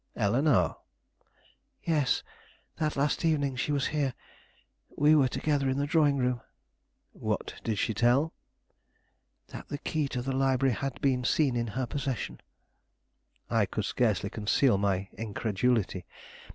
"Eleanore?" "Yes, that last evening she was here; we were together in the drawing room." "What did she tell?" "That the key to the library had been seen in her possession." I could scarcely conceal my incredulity.